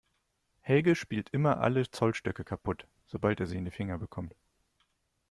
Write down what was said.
Helge spielt immer alle Zollstöcke kaputt, sobald er sie in die Finger bekommt.